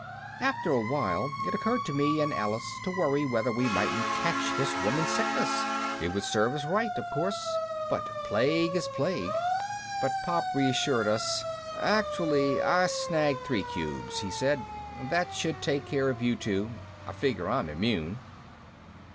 After a while it occurred to me and Alice to worry whether we mightn't catch this woman's sickness. It would serve us right, of course, but plague is plague. But Pop reassured us. "Actually I snagged three cubes," he said. "That should take care of you two. I figure I'm immune."